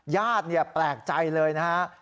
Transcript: ญาติเนี่ยแปลกใจเลยนะฮะ